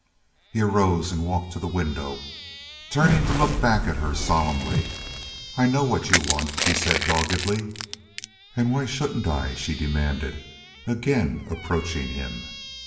He arose and walked to the window, turning to look back at her solemnly. "I know what you want," he said doggedly. "And why shouldn't I?" she demanded, again approaching him.